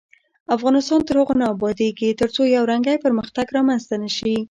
افغانستان تر هغو نه ابادیږي، ترڅو یو رنګی پرمختګ رامنځته نشي.